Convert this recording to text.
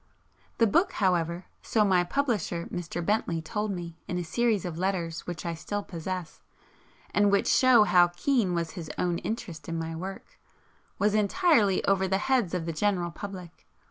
The book, however, so my publisher Mr. Bentley told me in a series of letters which I still possess, and which show how keen was his own interest in my work, was 'entirely over the heads of the general public.'